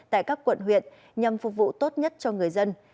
tại các quận huyện nhằm phục vụ tốt nhất cho người dân